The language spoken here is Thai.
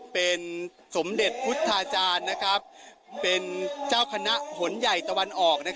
เป็นสมเด็จพุทธาจารย์เป็นเจ้าคณะหนใหญ่ตะวันออก